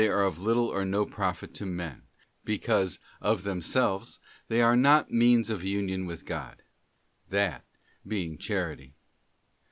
are of little or no profit to men, because of themselves, they are not means of Union with God—that being Charity.